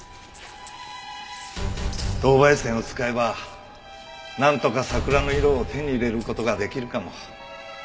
銅媒染を使えばなんとか桜の色を手に入れる事ができるかも。